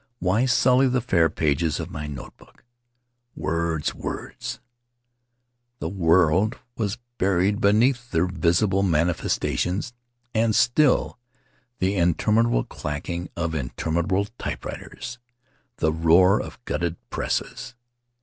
Why sully the fair pages of my notebook? Words, words! The world was buried beneath their visible mani festations, and still the interminable clacking of in numerable typewriters, the roar of glutted presses.